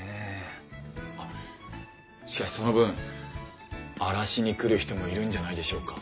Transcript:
あっしかしその分荒らしに来る人もいるんじゃないでしょうか？